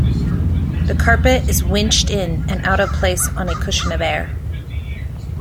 The carpet is winched in and out of place on a cushion of air.